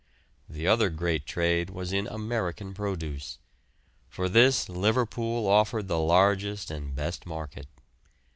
The other great trade was in American produce. For this Liverpool offered the largest and best market.